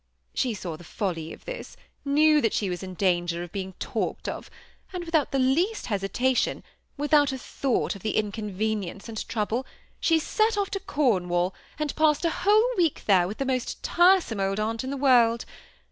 She saw the folly of this, knew that she was in danger of being talked of, and without the least hesitation, without a thought of the inconvenience and trouble, she set off to Cornwall, and # passed a whole week there with the most tiresome old aunt in the world.